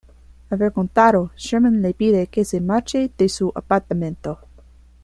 Avergonzado, Sherman le pide que se marche de su apartamento.